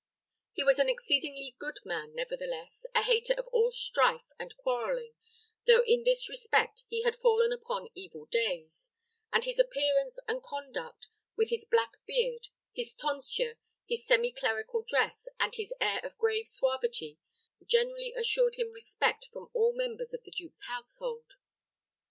He was an exceedingly good man, nevertheless, a hater of all strife and quarreling, though in this respect he had fallen upon evil days; and his appearance and conduct, with his black beard, his tonsure, his semi clerical dress, and his air of grave suavity, generally assured him respect from all members of the duke's household.